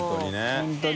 本当に。